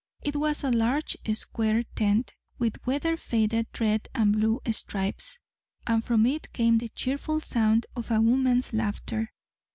It was a large, square tent, with weather faded red and blue stripes, and from it came the cheerful sound of a woman's laughter.